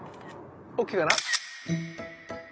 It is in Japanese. ＯＫかな？